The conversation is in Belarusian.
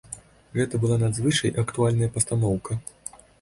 Гэта была надзвычай актуальная пастаноўка.